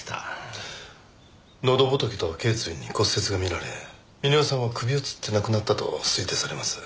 喉仏と頸椎に骨折が見られ峰夫さんは首を吊って亡くなったと推定されます。